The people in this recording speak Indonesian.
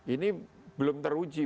ini belum teruji